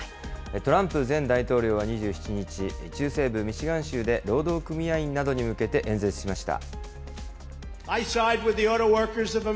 トランプ前大統領は２７日、中西部ミシガン州で労働組合員などに向けて演説しました。